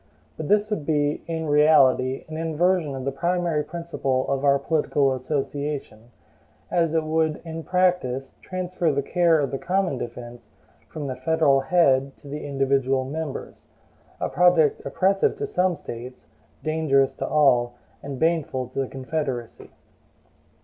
But this would be, in reality, an inversion of the primary principle of our political association, as it would in practice transfer the care of the common defense from the federal head to the individual members: a project oppressive to some States, dangerous to all, and baneful to the Confederacy.